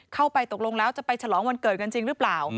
ตกลงแล้วจะไปฉลองวันเกิดกันจริงหรือเปล่า